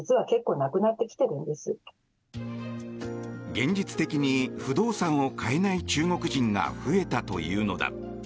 現実的に不動産を買えない中国人が増えたというのだ。